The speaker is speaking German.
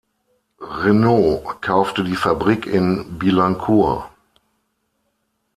Renault kaufte die Fabrik in Billancourt.